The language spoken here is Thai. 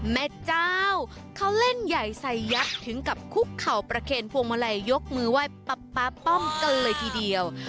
แม่เจ้าเขาเล่นใหญ่ใส่ยักษ์ถึงกับคุกเข่าประเคนพวงมาลัยยกมือไหว้ป๊าป้อมกันเลยทีเดียว